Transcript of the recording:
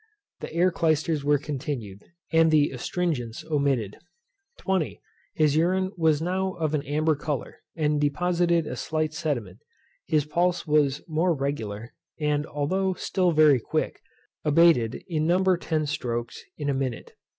The air clysters were continued, and the astringents omitted. 20. His urine was now of an amber colour, and deposited a slight sediment. His pulse was more regular, and although still very quick, abated in number ten strokes in a minute.